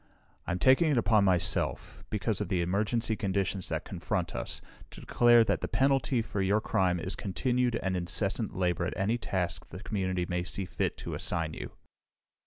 "I am taking it upon myself, because of the emergency conditions that confront us, to declare that the penalty for your crime is continued and incessant labor at any task the community may see fit to assign you.